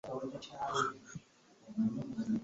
Abettanira emikutu mufube okwekkaanya bye mulaba.